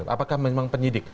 apakah memang penyidik